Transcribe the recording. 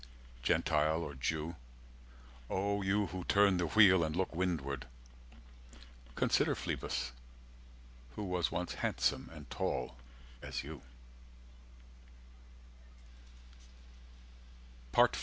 Gentile or Jew O you who turn the wheel and look to windward, 320 Consider Phlebas, who was once handsome and tall as you.